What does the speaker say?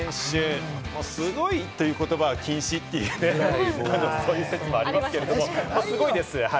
大谷翔平選手、もう「すごい！」という言葉は禁止って言って、そういう説もありましたけれど、すごいです。